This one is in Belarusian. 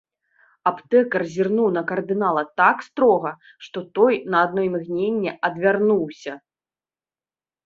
Аптэкар зірнуў на кардынала так строга, што той на адно імгненне адвярнуўся.